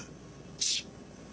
チッ。